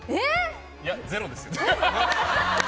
いや、ゼロですよ。